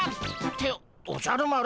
っておじゃる丸